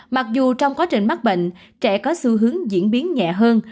mặc dù trong quá trình mắc bệnh trẻ có xu hướng diễn biến nhẹ hơn